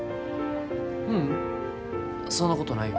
ううんそんなことないよ